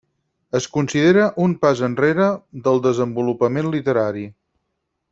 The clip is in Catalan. Es considera un pas enrere del desenvolupament literari.